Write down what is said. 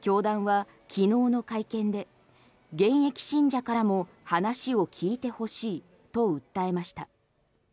教団は昨日の会見で現役信者からも話を聞いてほしいと訴えました。